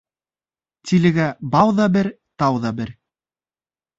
Тилегә бау ҙа бер, тау ҙа бер.